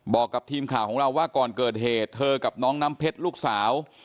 บอกกับทีมข่าวของเราว่าก่อนเกิดเหตุเธอกับน้องน้ำเพชรลูกสาว